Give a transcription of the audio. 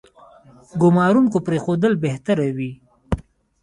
ګومارونکو پرېښودل بهتره وي.